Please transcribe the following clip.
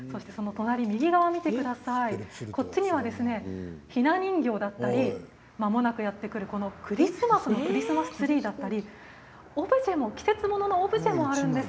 右側にはひな人形だったりまもなくやってくるクリスマスのクリスマスツリーだったり季節物のオブジェもあるんです。